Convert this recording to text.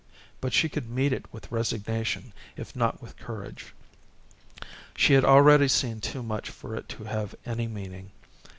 But she could meet it with resignation if not with courage. She had already seen too much for it to have any meaning.